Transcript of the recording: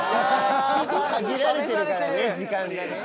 限られてるからね時間がね。試されてる！